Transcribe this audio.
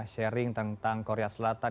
sharing tentang korea selatan